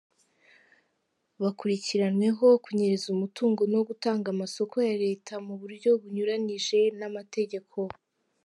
Bakurikiranweho kunyereza umutungo no gutanga amasoko ya Leta mu buryo bunyuranije n’amategeko.